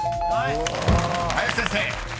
［林先生］